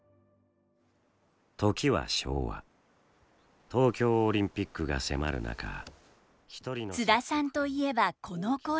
時は昭和東京オリンピックが迫る中津田さんといえばこの声。